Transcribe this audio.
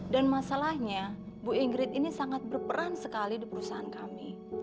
dan masalahnya bu ingrid ini sangat berperan sekali di perusahaan kami